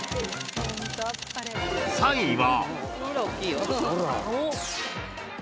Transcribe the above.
［３位は］